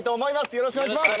よろしくお願いします。